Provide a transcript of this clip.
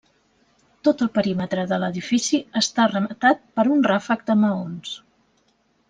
Tot el perímetre de l'edifici està rematat per un ràfec de maons.